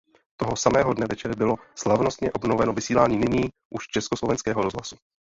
Toho samého dne večer bylo slavnostně obnoveno vysílání nyní už Československého rozhlasu.